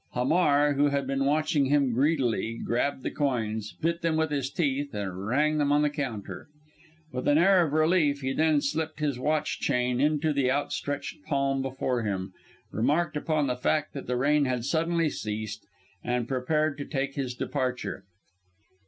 Hamar, who had been watching him greedily, grabbed the coins, bit them with his teeth, and rang them on the counter. With an air of relief he then slipped his watch chain into the outstretched palm before him, remarked upon the fact that the rain had suddenly ceased, and prepared to take his departure.